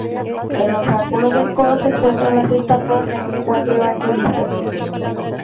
En los ángulos del coro se encuentran las estatuas de los Cuatro Evangelistas.